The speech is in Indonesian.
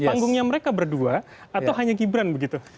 panggungnya mereka berdua atau hanya gibran begitu